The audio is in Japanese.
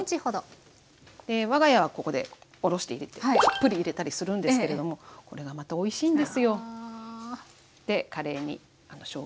我が家はここでおろして入れてたっぷり入れたりするんですけれどもこれがまたおいしいんですよ。